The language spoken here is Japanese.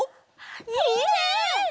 いいね！